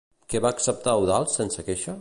Què va acceptar Eudald sense queixa?